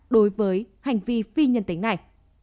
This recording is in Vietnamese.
đối với hành vi phi nhân tính nạn